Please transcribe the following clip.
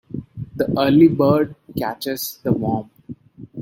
The early bird catches the worm.